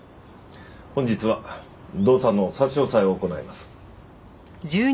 本日は動産の差し押さえを行います。